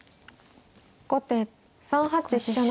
後手３八飛車成。